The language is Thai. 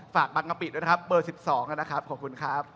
บางกะปิด้วยนะครับเบอร์๑๒นะครับขอบคุณครับ